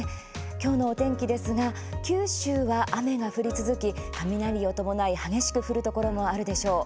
今日のお天気ですが九州は雨が降り続き雷を伴い、激しく降るところもあるでしょう。